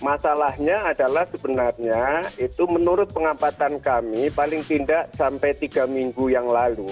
masalahnya adalah sebenarnya itu menurut pengamatan kami paling tidak sampai tiga minggu yang lalu